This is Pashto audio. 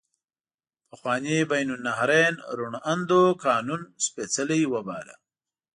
پخواني بین النهرین روڼ اندو قانون سپیڅلی وباله.